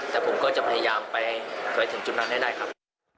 แต่ผมก็จะพยายามไปถึงจุดนั้นให้ได้ครับ